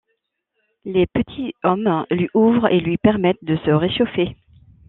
Les petits hommes lui ouvrent et lui permettent de se réchauffer.